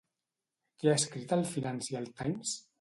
Què ha escrit el Financial Times?